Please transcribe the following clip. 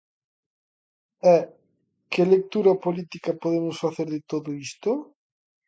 E ¿que lectura política podemos facer de todo isto?